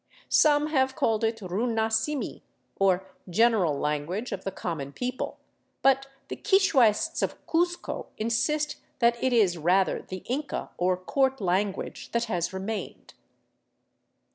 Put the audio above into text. Some have called it " Runa Simi," or general language of the common people; but the quichuaists of Cuzco insist that it is rather the Inca or court language that has remained.